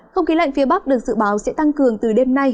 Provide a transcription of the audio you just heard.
không khí lạnh phía bắc được dự báo sẽ tăng cường từ đêm nay